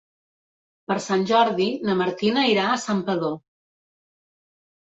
Per Sant Jordi na Martina irà a Santpedor.